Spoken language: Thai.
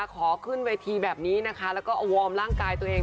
ขอขึ้นเวทีแบบนี้นะคะแล้วก็เอาวอร์มร่างกายตัวเอง